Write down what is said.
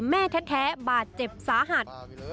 แม่แท้บาดเจ็บสาหัส